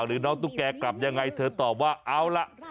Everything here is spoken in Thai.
หรือน้องตุ๊กแกกลับยังไงเธอตอบว่าเอาล่ะ